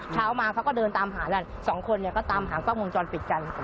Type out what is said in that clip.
เช้ามาเขาก็เดินตามหากันสองคนเนี่ยก็ตามหากล้องวงจรปิดกัน